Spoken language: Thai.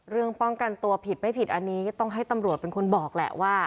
ป้องกันตัวผิดไม่ผิดอันนี้ก็ต้องให้ตำรวจเป็นคนบอกแหละว่า